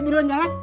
bapak sudah nyala